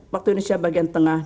waktu indonesia bagian tengah